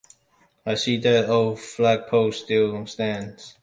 I see that the old flagpole still stands.